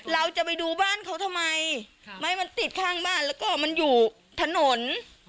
เราจะไปดูบ้านเขาทำไมไม่มันติดข้างบ้านแล้วก็มันอยู่ถนน